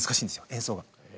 演奏が。